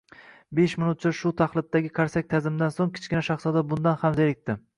Besh minutcha shu taxlitdagi qarsak-ta’zimdan so‘ng Kichkina shahzoda bundan ham zerikdi.